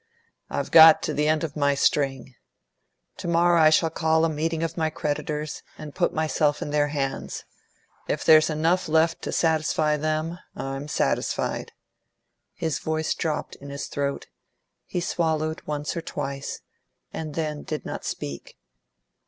"I've got to the end of my string. To morrow I shall call a meeting of my creditors, and put myself in their hands. If there's enough left to satisfy them, I'm satisfied." His voice dropped in his throat; he swallowed once or twice, and then did not speak.